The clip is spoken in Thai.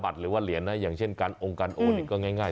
หรือว่าเหรียญนะอย่างเช่นการองค์การโอนอีกก็ง่าย